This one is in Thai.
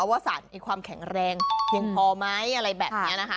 ว่าสารมีความแข็งแรงเพียงพอไหมอะไรแบบนี้นะคะ